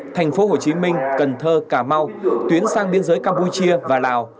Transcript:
thành phố hồ chí minh cần thơ cà mau tuyến sang biên giới campuchia và lào